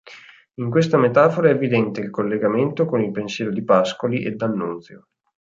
In questa metafora è evidente il collegamento con il pensiero di Pascoli e D'Annunzio.